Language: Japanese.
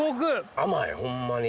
甘いホンマに。